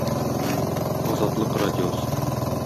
Азатлык Радиосы